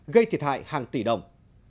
gây thiệt hại hàng tỷ đồng